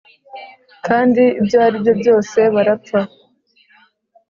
kandi ibyo aribyo byose barapfa